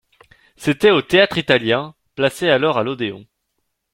C'était au Théâtre-Italien, placé alors à l'Odéon.